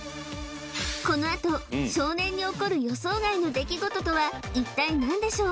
このあと少年に起こる予想外の出来事とは一体何でしょう？